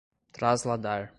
trasladar